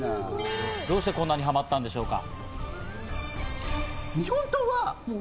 どうしてこんなにハマったんでしょうか？